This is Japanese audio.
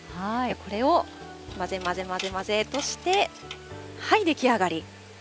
これを混ぜ混ぜ混ぜとして、はい、出来上がり。